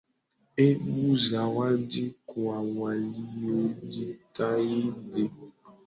Hebu zawadi kwa waliojitahidi.